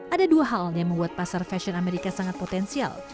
ada dua hal yang membuat pasar fashion amerika sangat potensial